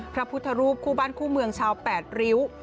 พระพุทธรูปคู่บ้านคู่เมืองชาวแปดริ้ว